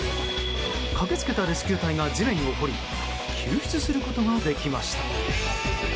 駆けつけたレスキュー隊が地面を掘り救出することができました。